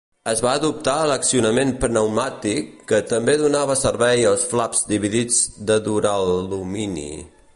Es va adoptar l'accionament pneumàtic, que també donava servei als flaps dividits de duralumini.